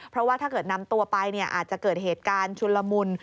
เพราะว่าถ้าเกิดนำตัวไปอาจจะเกิดเหตุการณ์ชุนละมุน